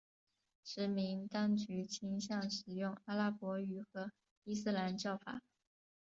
殖民当局倾向使用阿拉伯语和伊斯兰教法。